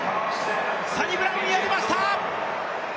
サニブラウン、やりました！